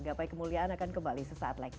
gapai kemuliaan akan kembali sesaat lagi